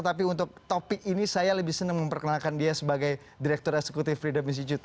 tapi untuk topik ini saya lebih senang memperkenalkan dia sebagai direktur eksekutif freedom institute